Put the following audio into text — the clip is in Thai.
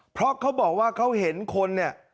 เพราะเขาบอกว่าเขาเห็นคนเนี่ย